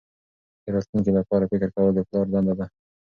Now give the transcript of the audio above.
د راتلونکي لپاره فکر کول د پلار دنده ده.